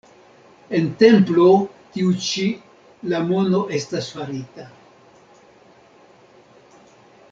En templo tiu ĉi la mono estas farita.